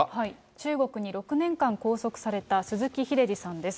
中国に６年間拘束された鈴木英司さんです。